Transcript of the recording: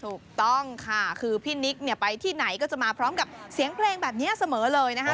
ถูกต้องค่ะคือพี่นิกเนี่ยไปที่ไหนก็จะมาพร้อมกับเสียงเพลงแบบนี้เสมอเลยนะคะ